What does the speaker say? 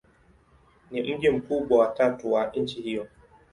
Ni mji mkubwa wa tatu wa nchi hiyo.